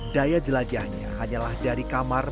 daya jelajahnya hanyalah dari kamar